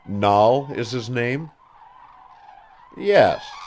"Nahl is his name?" "Yes.